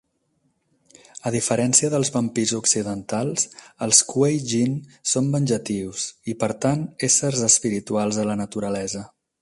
A diferència dels vampirs occidentals, els Kuei-jin són venjatius i, per tant, éssers espirituals a la naturalesa.